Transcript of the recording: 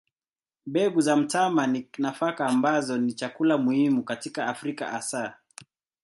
Mbegu za mtama ni nafaka ambazo ni chakula muhimu katika Afrika hasa.